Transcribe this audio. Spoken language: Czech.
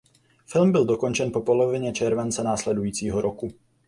Film byl dokončen po polovině července následujícího roku.